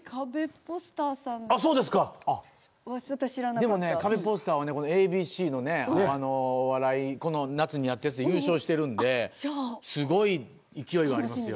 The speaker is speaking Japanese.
でもね、カベポスターはＡＢＣのお笑い、この夏にやっているやつで優勝しているんで、すごい勢いがありますよ。